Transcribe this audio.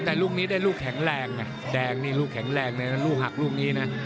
แต่ลูกนี้ได้ลูกแข็งแรงไงแดงนี่ลูกแข็งแรงเลยนะลูกหักลูกนี้นะ